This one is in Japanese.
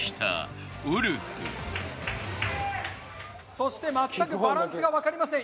そしてまったくバランスがわかりません。